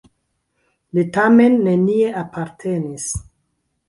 Li tamen nenie apartenis.